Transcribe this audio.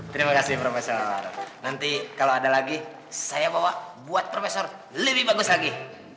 terima kasih profesor nanti kalau ada lagi saya bawa buat profesor lebih bagus lagi